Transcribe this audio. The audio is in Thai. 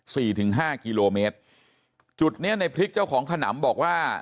ถึงห้ากิโลเมตรจุดเนี้ยในพริกเจ้าของขนำบอกว่า